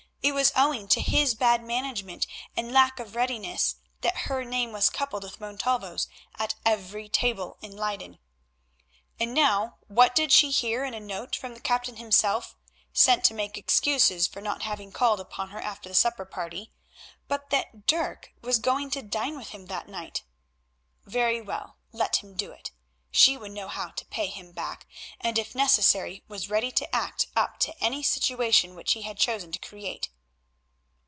It was owing to his bad management and lack of readiness that her name was coupled with Montalvo's at every table in Leyden. And now what did she hear in a note from the Captain himself, sent to make excuses for not having called upon her after the supper party, but that Dirk was going to dine with him that night? Very well, let him do it; she would know how to pay him back, and if necessary was ready to act up to any situation which he had chosen to create.